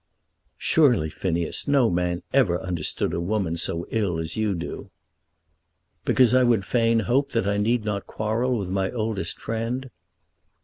"Surely, Phineas, no man ever understood a woman so ill as you do." "Because I would fain hope that I need not quarrel with my oldest friend?"